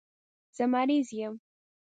زه مریض یم